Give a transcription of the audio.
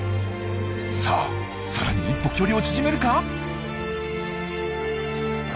さあさらに一歩距離を縮めるか？